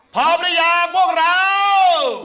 พร้อมหรือยังพวกเรา